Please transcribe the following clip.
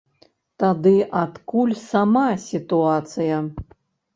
Тады адкуль сама сітуацыя?